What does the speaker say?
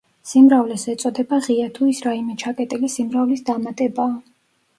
სიმრავლეს ეწოდება ღია, თუ ის რაიმე ჩაკეტილი სიმრავლის დამატებაა.